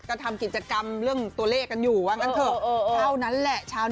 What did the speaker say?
ก็ทำกิจกรรมเรื่องตัวเลขกันอยู่ว่างั้นเถอะ